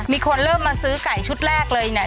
มีคนเริ่มมาซื้อไก่ชุดแรกเลยเนี่ย